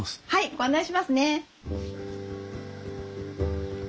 ご案内しますね。